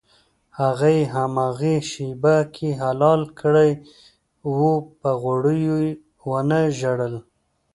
هغه یې هماغې شېبه کې حلال کړی و په غوړیو یې ونه ژړل.